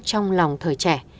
trong lòng thời trẻ